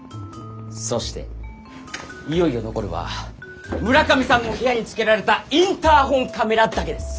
そしていよいよ残るは村上さんの部屋につけられたインターホンカメラだけです。